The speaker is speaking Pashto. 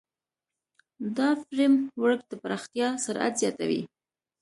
دا فریم ورک د پراختیا سرعت زیاتوي.